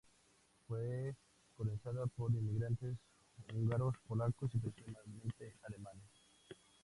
Fue colonizada por inmigrantes húngaros, polacos y principalmente alemanes.